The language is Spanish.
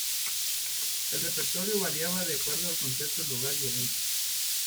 El repertorio variaba de acuerdo al concierto, lugar y evento.